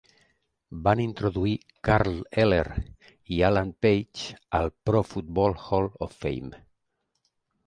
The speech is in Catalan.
Van introduir Carl Eller i Alan Page al Pro Football Hall of Fame.